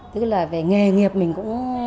tức là về nghề nghiệp mình cũng